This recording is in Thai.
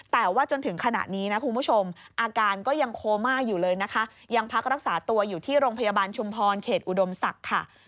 แต่ว่าจนถึงขณะนี้นะคุณผู้ชมอาการก็ยังโคม่าอยู่เลยนะคะยังพักรักษาตัวอยู่ที่โรงพยาบาลชุมพรเขตอุดมศักดิ์ค่ะ